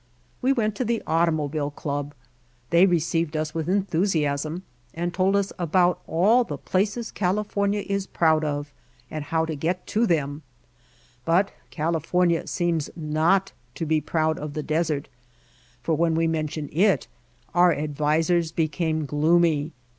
We went to the Automobile Club; they re ceived us with enthusiasm and told us about all the places California is proud of and how to get to them, but California seems not to be proud of the desert, for when we mentioned it our advisers became gloomy.